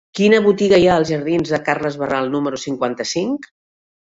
Quina botiga hi ha als jardins de Carles Barral número cinquanta-cinc?